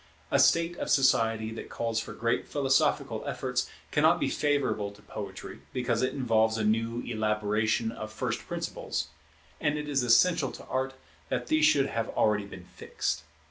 A state of society that calls for great philosophical efforts cannot be favourable to poetry, because it involves a new elaboration of first principles; and it is essential to Art that these should have been already fixed.